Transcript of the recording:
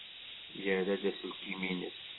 Yerra-d aselkim-nnes.